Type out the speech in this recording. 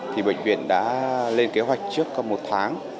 thì bệnh viện đã lên kế hoạch trước một tháng